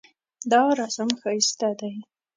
دا رسم ښایسته دی